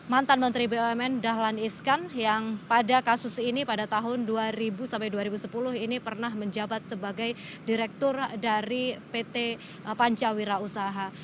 mantan menteri bumn dahlan iskan yang pada kasus ini pada tahun dua ribu sampai dua ribu sepuluh ini pernah menjabat sebagai direktur dari pt pancawira usaha